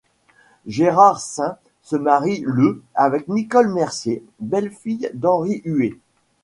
Gérard Saint se marie le avec Nicole Mercier, belle-fille d'Henri Huet.